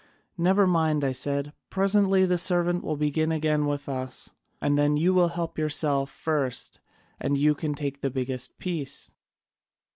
'Never mind,' I said, 'presently the servant will begin again with us, and then you will help yourself first and you can take the biggest piece.'